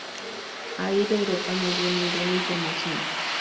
Air Europa no dio ninguna información.